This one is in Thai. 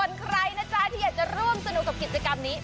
ส่วนใครนะจ๊ะที่อยากจะร่วมสนุกกับกิจกรรมนี้